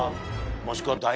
もしくは。